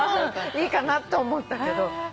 いいかなと思ったけど。